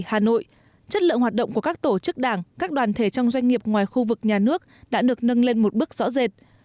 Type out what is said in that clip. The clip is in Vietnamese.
hà nội chất lượng hoạt động của các tổ chức đảng các đoàn thể trong doanh nghiệp ngoài khu vực nhà nước đã được nâng lên một bước rõ rệt